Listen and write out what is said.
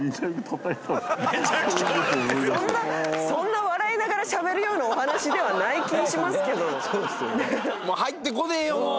そんな笑いながらしゃべるようなお話ではない気もしますけどもう入ってこねえよ